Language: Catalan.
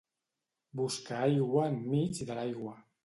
Busca aigua enmig de l'aigua.